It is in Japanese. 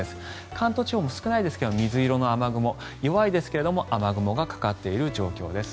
関東地方も少ないですが水色の雨雲弱いですけれど雨雲がかかっている状況です。